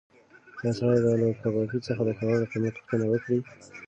ایا سړی به له کبابي څخه د کباب د قیمت پوښتنه وکړي؟